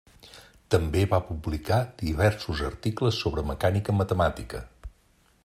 També va publicar diversos articles sobre mecànica matemàtica.